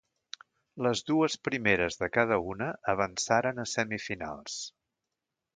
Les dues primeres de cada una avançaren a semifinals.